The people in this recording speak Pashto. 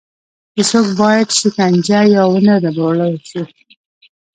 هېڅوک باید شکنجه یا ونه ربړول شي.